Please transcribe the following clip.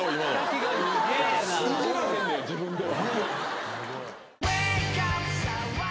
いじらへんねや自分では。